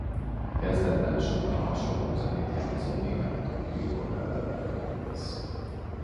Kezdetben sokan a hasonló zenét játszó német Tokio Hotellel vetették össze.